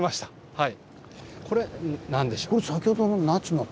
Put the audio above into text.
はい。